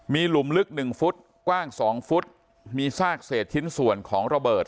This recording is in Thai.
มีหลุมลึกหนึ่งฟุตกว้าง๒ฟุตมีซากเศษชิ้นส่วนของระเบิด